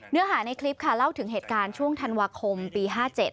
เนื้อหาในคลิปค่ะเล่าถึงเหตุการณ์ช่วงธันวาคมปี๕๗